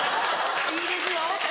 いいですよ